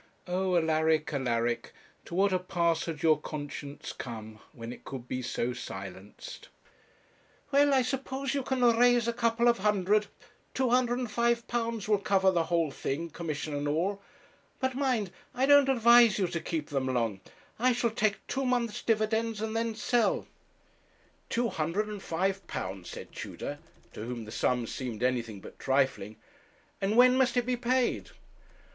'Oh, Alaric, Alaric, to what a pass had your conscience come, when it could be so silenced!' 'Well, I suppose you can raise a couple of hundred £205 will cover the whole thing, commission and all; but, mind, I don't advise you to keep them long I shall take two months' dividends, and then sell.' 'Two hundred and five pounds,' said Tudor, to whom the sum seemed anything but trifling; 'and when must it be paid?'